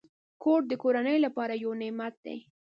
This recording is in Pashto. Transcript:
کور د کورنۍ لپاره یو نعمت دی.